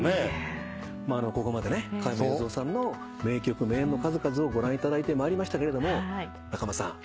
ここまでね加山雄三さんの名曲名演の数々をご覧いただいてまいりましたけれども仲間さん